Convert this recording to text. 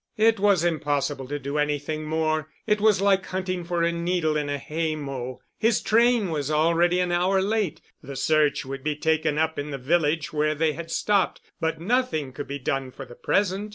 It was impossible to do anything more. It was like hunting for a needle in a hay mow. His train was already an hour late. The search would be taken up in the village where they had stopped, but nothing could be done for the present.